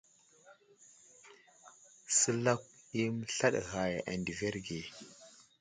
Səlakw i məslaɗ ghay a ndəverge.